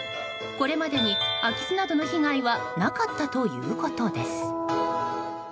これまでに空き巣などの被害はなかったということです。